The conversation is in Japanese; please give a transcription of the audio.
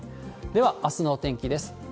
では、あすのお天気です。